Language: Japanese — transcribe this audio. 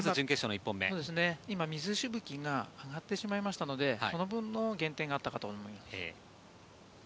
今、水しぶきが上がってしまいましたので、その分の減点があったかと思います。